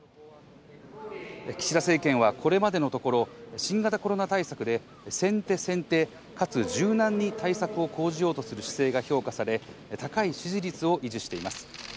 岸田政権はこれまでのところ、新型コロナ対策で先手先手かつ柔軟に対策を講じようとする姿勢が評価され、高い支持率を維持しています。